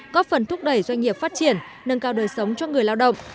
có phần thúc đẩy doanh nghiệp phát triển nâng cao đời sống cho người lao động